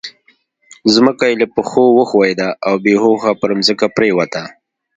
ځمکه يې له پښو وښوېده او بې هوښه پر ځمکه پرېوته.